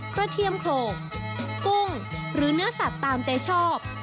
เทียมโครงกุ้งหรือเนื้อสัตว์ตามใจชอบ